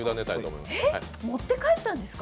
え、持って帰ったんですか！？